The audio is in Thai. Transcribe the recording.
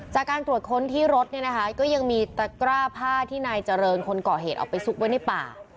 จากการตรวจค้นที่รถเนี่ยนะคะก็ยังมีตะกร้าผ้าที่นายเจริญคนก่อเหตุเอาไปซุกไว้ในป่า